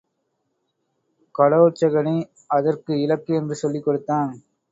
கடோற்சகனே அதற்கு இலக்கு என்று சொல்லிக் கொடுத்தான்.